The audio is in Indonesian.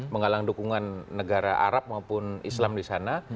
menggalang dukungan negara arab maupun islam di sana